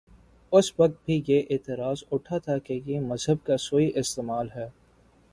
اس وقت بھی یہ اعتراض اٹھا تھاکہ یہ مذہب کا سوئ استعمال ہے۔